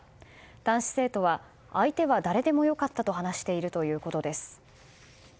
男子生徒は相手は誰でもよかったと話しているということです。